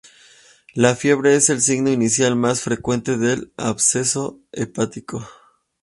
La fiebre es el signo inicial más frecuente del absceso hepático.